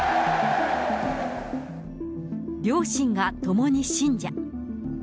両親がともに信者。